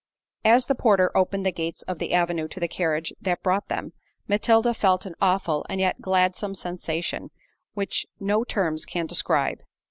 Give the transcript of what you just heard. As the porter opened the gates of the avenue to the carriage that brought them, Matilda felt an awful, and yet gladsome sensation, which no terms can describe.